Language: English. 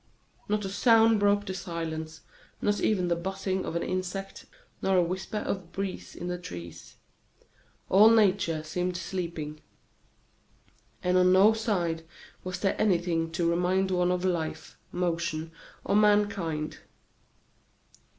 Not a sound broke the silence, not even the buzzing of an insect, nor a whisper of breeze in the trees. All nature seemed sleeping. And on no side was there anything to remind one of life, motion, or mankind.